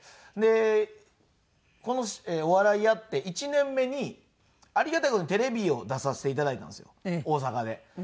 でこのお笑いやって１年目にありがたい事にテレビに出させて頂いたんですよ大阪で。